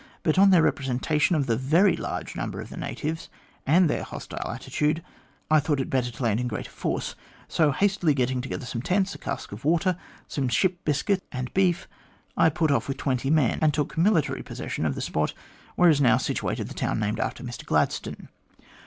But on their representation of the very large number of the natives, and their hostile attitude, I thought it better to land in greater force. So hastily getting together some tents, a cask of water, some ship biscuits, and beef, I put off with twenty men, and took military possession of the spot, where is now situated the town named after Mr Gladstone.